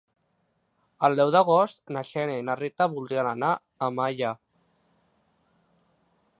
El deu d'agost na Xènia i na Rita voldrien anar a Malla.